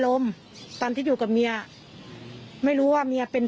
แล้วก็เอาปืนยิงจนตายเนี่ยมันก็อาจจะเป็นไปได้จริง